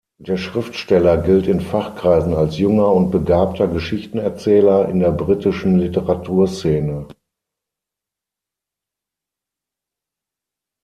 Der Schriftsteller gilt in Fachkreisen als junger und begabter Geschichtenerzähler in der britischen Literaturszene.